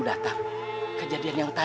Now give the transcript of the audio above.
namanya beliau dong